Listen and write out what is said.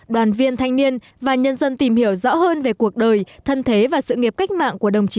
đoàn viên thanh niên và nhân dân tìm hiểu rõ hơn về cuộc đời thân thế và sự nghiệp cách mạng của đồng chí